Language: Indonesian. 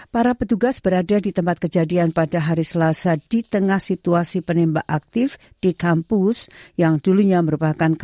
para petugas berada di tempat kejadian pada hari selasa di tengah situasi penimbulan